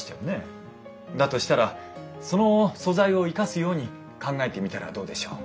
だとしたらその素材を生かすように考えてみたらどうでしょう？